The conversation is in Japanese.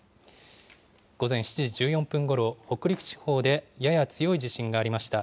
午前７時１４分ごろ、北陸地方でやや強い地震がありました。